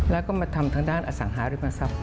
แล้วก็มาทำทางด้านอสังหาริมทรัพย